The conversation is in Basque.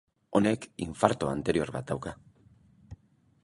Honek infarto anterior bat dauka.